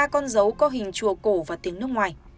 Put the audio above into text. ba con dấu có hình chùa cổ và tiếng nước ngoài